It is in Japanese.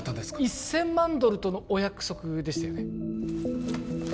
１千万ドルとのお約束でしたよね？